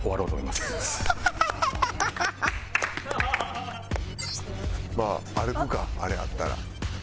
まあ歩くかあれあったら。